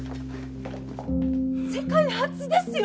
世界初ですよ！